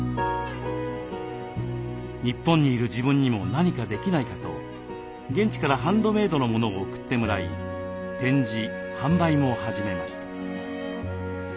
日本にいる自分にも何かできないかと現地からハンドメードのものを送ってもらい展示販売も始めました。